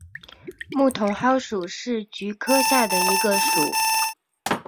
木筒篙属是菊科下的一个属。